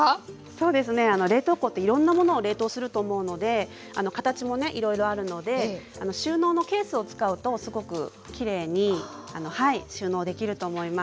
そうですね冷凍庫っていろんな物を冷凍すると思うので形もねいろいろあるので収納のケースを使うとすごくきれいに収納できると思います。